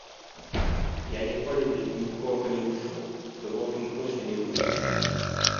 Я ніколі нікога не вучу, то бок імкнуся не вучыць.